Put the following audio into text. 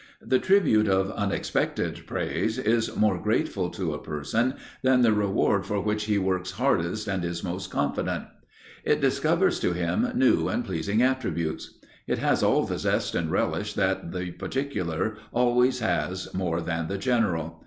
The tribute of unexpected praise is more grateful to a person than the reward for which he works hardest and is most confident. It discovers to him new and pleasing attributes. It has all the zest and relish that the particular always has more than the general.